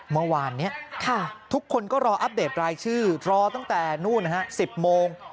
เมื่อวานนี้ทุกคนก็รออัปเดตรายชื่อรอตั้งแต่นู่น๑๐โมง